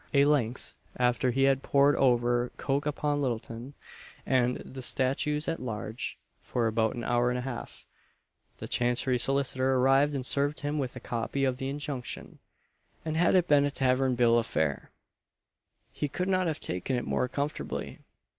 A length, after he had pored over "Coke upon Lyttleton," and "the Statutes at Large," for about an hour and a half, the Chancery Solicitor arrived and served him with a copy of the injunction; and, had it been a tavern bill of fare, he could not have taken it more comfortably.